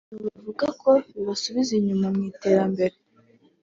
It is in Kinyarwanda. ibintu bavuga ko bibasubiza inyuma mu iterambere